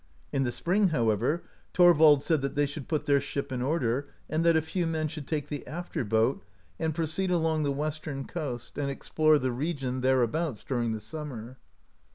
In the spring, however, Thorvald said that they should put their ship in order, and that a few men should take the after boat and pro ceed along the western coast, and explore [the region] thereabouts during the summer.